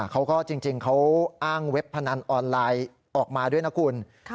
เขาก็จริงเขาอ้างเว็บพนันออนไลน์ออกมาด้วยนะคุณ